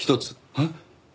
えっ？